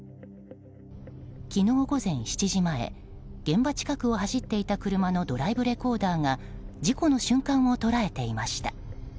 昨日午前７時前現場近くを走っていた車のドライブレコーダーが事故の瞬間を捉えていました。